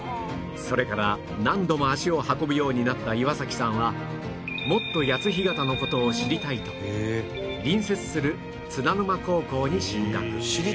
それから何度も足を運ぶようになった岩崎さんはもっと谷津干潟の事を知りたいと隣接する津田沼高校に進学